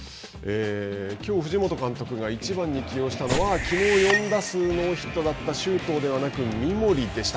きょう藤本監督が１番に起用したのは、きのう４安打ノーヒットだった周東ではなく、三森でした。